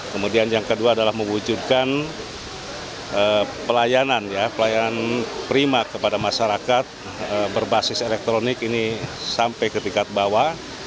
kemudian yang kedua adalah mewujudkan pelayanan ya pelayanan prima kepada masyarakat berbasis elektronik ini sampai ke tingkat bawah